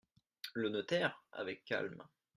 Le notaire , avec calme.